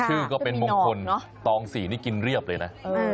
ชื่อก็เป็นมงคลตอง๔นี่กินเรียบเลยนะ